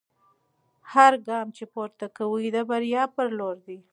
هر ګام چې پورته کوئ د بریا په لور دی.